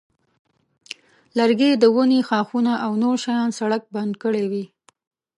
لرګي د ونې ښاخونه او نور شیان سړک بند کړی وي.